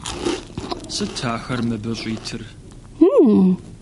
Сыт ахэр мыбы щӀитыр?